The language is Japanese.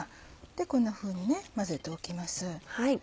こんなふうに混ぜておきます。